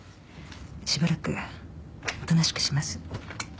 しばらくおとなしくします。